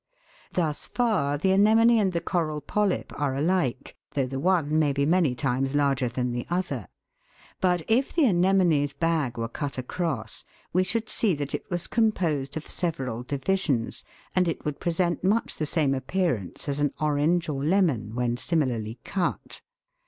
Thus far the anemone and the coral polyp are alike, though the one may be many times larger than the other ; but if the anemone's bag were cut across, we should see that it was composed of several divisions, and it would present much the same appearance as an orange or lemon when similarly cut.